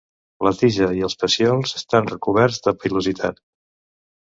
La tija i els pecíols estan recoberts de pilositat.